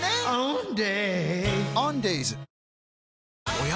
おや？